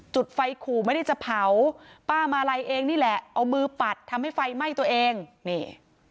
จุดไฟขู่ไม่ได้จะเผาป้ามาลัยเองนี่แหละเอามือปัดทำให้ไฟไหม้ตัวเองนี่